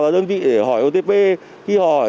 là đơn vị để hỏi otp khi hỏi